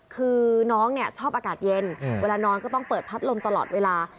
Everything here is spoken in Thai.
คือน้องเนี่ยชอบอากาศเย็นเวลานอนก็ต้องเปิดพัดลมตลอดเวลา